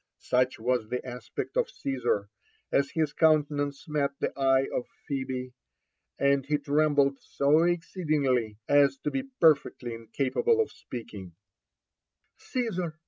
Such was the aspect of Caesar as his countenance met the eye o{ Phebe, and be trembled so exceedingly as to be perfectly incapable of speaking, *' Caesar